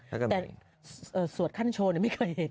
แต่สวดขั้นโชว์ไม่เคยเห็น